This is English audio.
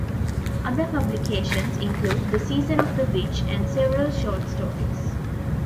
Other publications include "The Season of the Witch" and several short stories.